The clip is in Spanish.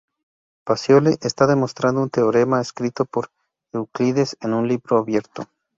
Pacioli está demostrando un teorema escrito por Euclides en un libro abierto.